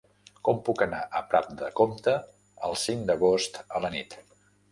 Com puc anar a Prat de Comte el cinc d'agost a la nit?